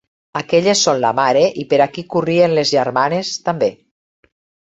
Aquelles són la mare i per aquí corrien les germanes, també.